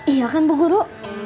iya kan bu guru